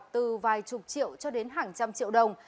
từ vài chục triệu cho đến hàng trăm triệu đồng